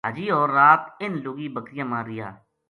حاجی ہور رات اِنھ لُگی بکریاں ما رہیا